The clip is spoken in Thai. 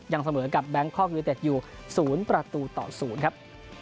ยังเสมอกับบางกอกยูเต็ดยู๐ประตูต่อ๐ครับ